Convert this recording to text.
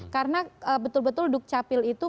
karena betul betul duk capil itu